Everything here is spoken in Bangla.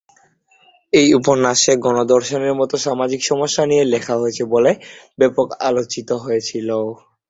এই উপন্যাসে গণধর্ষণের মত সামাজিক সমস্যা নিয়ে লেখা হয়েছে বলে ব্যাপক আলোচিত হয়েছিল।